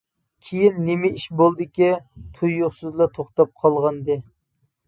كىيىن نېمە ئىش بولدىكى تۇيۇقسىزلا توختاپ قالغانىدى.